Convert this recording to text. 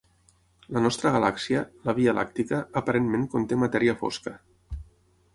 La nostra galàxia, la Via làctica, aparentment conté matèria fosca.